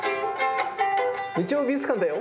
『日曜美術館』だよ！」